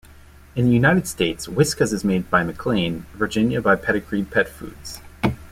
In the United States, Whiskas is made in McLean, Virginia by Pedigree Petfoods.